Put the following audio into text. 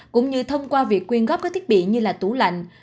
cũng như thông qua việc quyên góp các thiết bị như là tủ lạnh